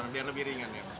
biar lebih ringan ya